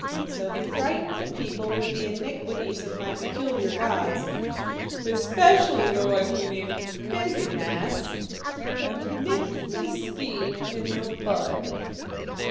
So he frightened the people with the iniquities of my peculiar gods especially the one he named 'Biz e Nass' and nipped the scheme in the bud.